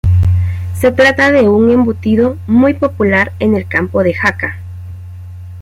Se trata de un embutido muy popular en el campo de Jaca.